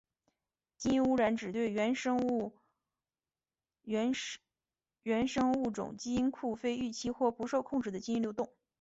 基因污染指对原生物种基因库非预期或不受控制的基因流动。